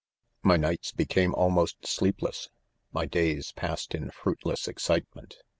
c My nights became almost sleepless— my days passed in fruitless excitement.